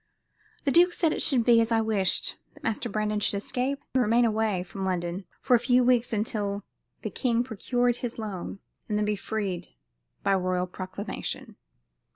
"The duke said it should be as I wished; that Master Brandon should escape, and remain away from London for a few weeks until the king procured his loan, and then be freed by royal proclamation.